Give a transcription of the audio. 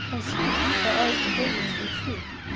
I see it, her eyes depose it to be true.